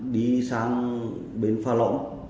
đi sang bến pha lõng